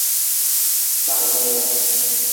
บ่ายโมง